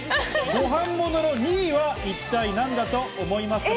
ご飯ものの２位は一体何だと思いますか？